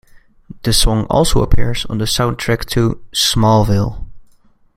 The song also appears on the soundtrack to "Smallville".